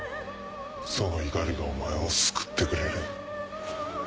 その怒りがお前を救ってくれる。